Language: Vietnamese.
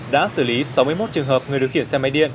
đã xử lý sáu mươi một trường hợp người điều khiển xe máy điện